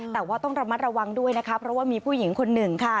แต่ว่าต้องระมัดระวังด้วยนะคะเพราะว่ามีผู้หญิงคนหนึ่งค่ะ